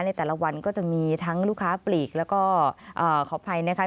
ในแต่ละวันก็จะมีทั้งลูกค้าปลีกแล้วก็ขออภัยนะคะ